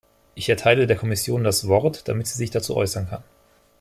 Ich erteile der Kommission das Wort, damit sie sich dazu äußern kann.